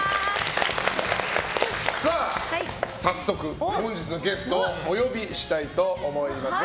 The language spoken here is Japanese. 早速、本日のゲストをお呼びしたいと思います。